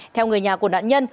theo người nhà của nạn nhân